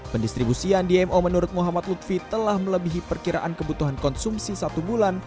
pendistribusian dmo menurut muhammad lutfi telah melebihi perkiraan kebutuhan konsumsi satu bulan